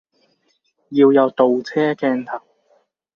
要有倒車鏡頭